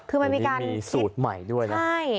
โอ้โหมีสูตรใหม่ด้วยนะ